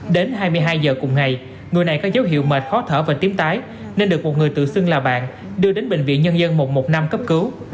đến hai mươi hai giờ cùng ngày người này có dấu hiệu mệt khó thở và tím tái nên được một người tự xưng là bạn đưa đến bệnh viện nhân dân một trăm một mươi năm cấp cứu